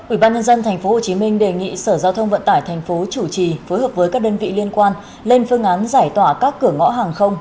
ủy ban nhân dân tp hcm đề nghị sở giao thông vận tải tp chủ trì phối hợp với các đơn vị liên quan lên phương án giải tỏa các cửa ngõ hàng không